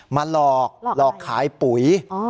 มาหลอกหลอกขายปุ๋ย